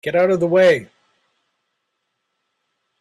Get out of the way!